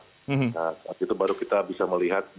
nah saat itu baru kita bisa melihat